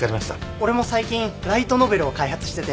俺も最近ライトノベルを開発してて。